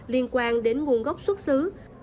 liên quan đến nguồn gốc xuất xứ